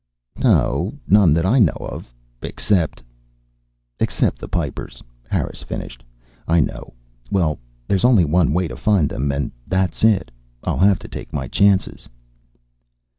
"No, none that I know of. Except " "Except the Pipers," Harris finished. "I know. Well, there's only one way to find them, and that's it. I'll have to take my chances."